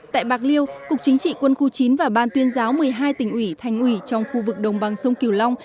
tại bạc liêu cục chính trị quân khu chín và ban tuyên giáo một mươi hai tỉnh ủy thành ủy trong khu vực đồng bằng sông kiều long